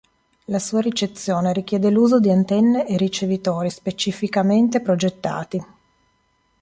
La sua ricezione richiede l'uso di antenne e ricevitori specificamente progettati.